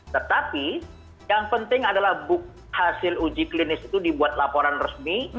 tetapi yang penting adalah bukti hasil uji klinis itu dibuat laporan resmi